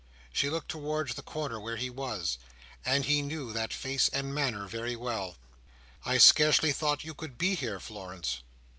She looked towards the corner where he was, and he knew that face and manner very well. "I scarcely thought you could be here, Florence."